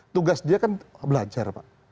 tugas dia kan belajar pak